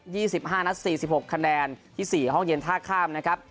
ี่สิบห้านัดสี่สิบหกคะแนนที่สี่ห้องเย็นท่าข้ามนะครับ